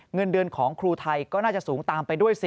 เงินเดือนของครูไทยก็น่าจะสูงตามไปด้วย